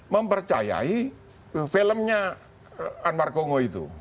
mempercayai filmnya anwar kongo itu